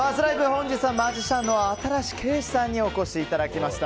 本日はマジシャンの新子景視さんにお越しいただきました。